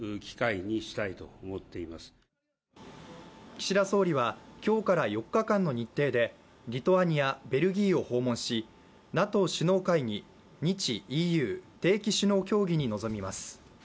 岸田総理は今日から４日間の日程でリトアニア、ベルギーを訪問し、ＮＡＴＯ首脳会議、日・ＥＵ定期首脳協議に臨みます。